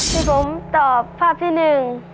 ที่ผมตอบภาพที่หนึ่ง